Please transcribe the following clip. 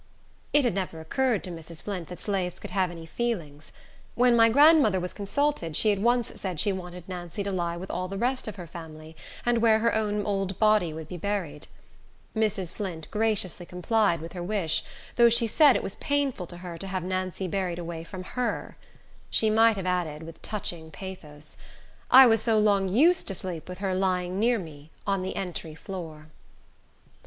It had never occurred to Mrs. Flint that slaves could have any feelings. When my grandmother was consulted, she at once said she wanted Nancy to lie with all the rest of her family, and where her own old body would be buried. Mrs. Flint graciously complied with her wish, though she said it was painful to her to have Nancy buried away from her. She might have added with touching pathos, "I was so long used to sleep with her lying near me, on the entry floor."